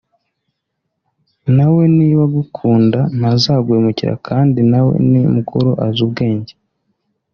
na we niba agukunda ntazaguhemukira kandi na we ni mukuru azi ubwenge